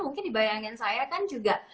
mungkin dibayangin saya kan juga